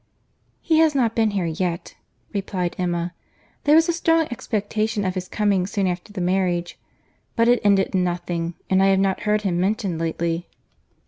"He has not been here yet," replied Emma. "There was a strong expectation of his coming soon after the marriage, but it ended in nothing; and I have not heard him mentioned lately."